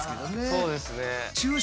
そうですね。